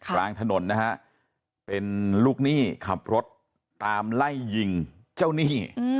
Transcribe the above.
กลางถนนนะฮะเป็นลูกหนี้ขับรถตามไล่ยิงเจ้าหนี้